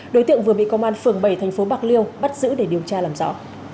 đối tượng vừa bị công an phường bảy tp bạc liêu bắt giữ để điều tra làm rõ